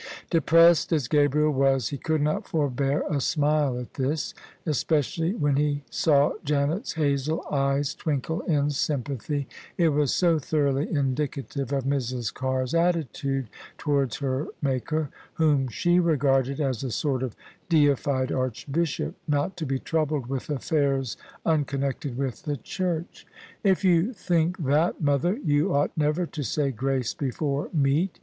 Depressed as Gabriel was, he could not forbear a smile at this, especially when he saw Janet's hazel eyes twinkle in sympathy: it was so thoroughly indicative of Mrs. Carr's attitude towards her Maker, Whom she regarded as a sort of deified Archbishop, not to be troubled with affairs uncon nected with the Church. " If you think that, mother, you ought never to say grace before meat.